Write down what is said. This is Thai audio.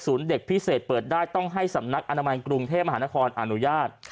เด็กพิเศษเปิดได้ต้องให้สำนักอนามัยกรุงเทพมหานครอนุญาต